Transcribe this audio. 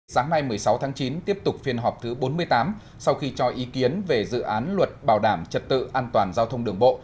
sáng nay một mươi sáu tháng chín tiếp tục phiên họp thứ bốn mươi tám sau khi cho ý kiến về dự án luật bảo đảm trật tự an toàn giao thông đường bộ